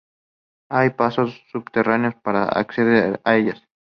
Hay pasos subterráneos para acceder a ellas.